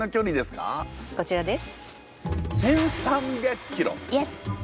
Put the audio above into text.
こちらです。